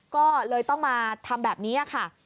ก็เลยต้องมาทำแบบนี้ค่ะ